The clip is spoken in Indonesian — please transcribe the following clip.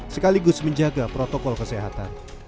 sekaligus menjaga protokol kesehatan